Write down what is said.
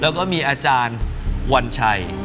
แล้วก็มีอาจารย์วัญชัย